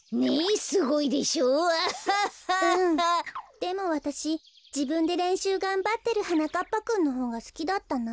でもわたしじぶんでれんしゅうがんばってるはなかっぱくんのほうがすきだったな。